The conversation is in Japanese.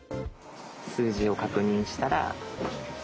数字を確認したら次。